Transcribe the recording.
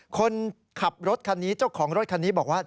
คนขับรถคันนี้เจ้าของรถคันนี้บอกว่า